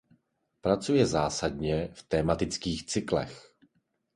Pracuje zásadně v tematických cyklech.